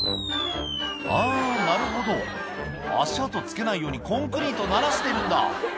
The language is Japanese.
あなるほど足跡付けないようにコンクリートならしてるんだ